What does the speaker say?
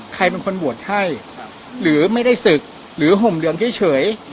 ใครเป็นคนบวชให้หรือไม่ได้ศึกหรือห่มเหลืองเฉย